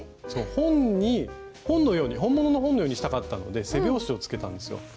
そう本に本のように本物の本のようにしたかったので背表紙を付けたんですよ。